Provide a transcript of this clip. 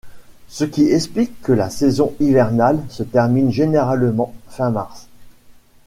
Ce qui explique que la saison hivernale se termine généralement fin mars.